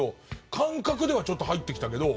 感覚ではちょっと入ってきたけど。